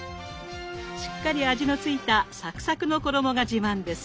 しっかり味のついたサクサクの衣が自慢です。